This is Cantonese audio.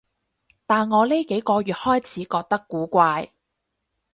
但我呢幾個月開始覺得古怪